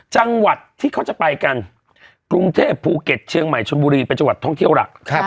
จังหวัดที่เขาจะไปกันกรุงเทพภูเก็ตเชียงใหม่ชนบุรีเป็นจังหวัดท่องเที่ยวหลัก